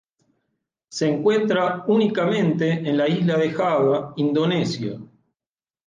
Se encuentra únicamente en la isla de Java, Indonesia.